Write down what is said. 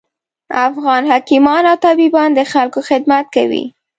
افغان حکیمان او طبیبان د خلکوخدمت کوي